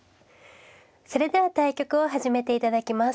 それでは対局を始めて頂きます。